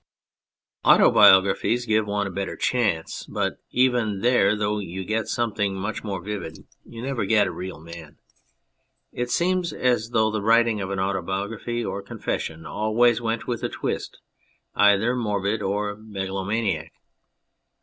37 On Anything Autobiographies give one a better chance, but even there, though you get something much more vivid, you never get a real man. It seems as though the writing of an autobiography or confession always went with a twist, either morbid or megalomaniac.